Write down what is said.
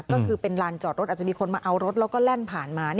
ก็คือเป็นลานจอดรถอาจจะมีคนมาเอารถแล้วก็แล่นผ่านมา